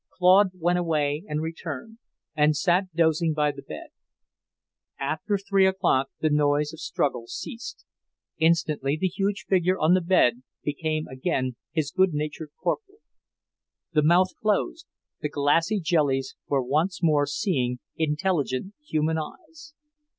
Claude went away and returned, and sat dozing by the bed. After three o'clock the noise of struggle ceased; instantly the huge figure on the bed became again his good natured corporal. The mouth closed, the glassy jellies were once more seeing, intelligent human eyes.